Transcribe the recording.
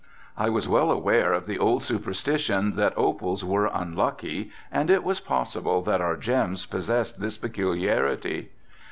I was well aware of the old superstition that opals were unlucky and it was possible that our gems possessed this peculiarity.